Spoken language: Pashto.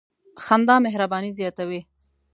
• خندا مهرباني زیاتوي.